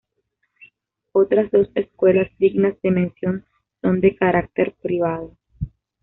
Otras dos escuelas dignas de mención son de carácter privado.